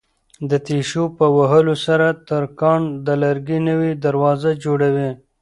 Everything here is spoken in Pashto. د تېشو په وهلو سره ترکاڼ د لرګي نوې دروازه جوړوي.